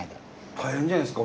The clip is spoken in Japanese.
大変じゃないですか？